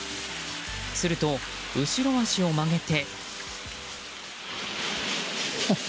すると、後ろ足を曲げて。